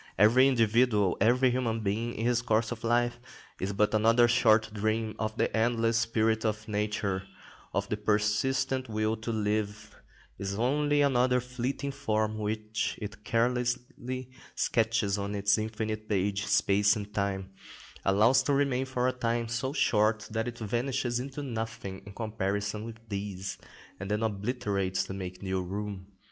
Every individual, every human being and his course of life, is but another short dream of the endless spirit of nature, of the persistent will to live; is only another fleeting form, which it carelessly sketches on its infinite page, space and time; allows to remain for a time so short that it vanishes into nothing in comparison with these, and then obliterates to make new room.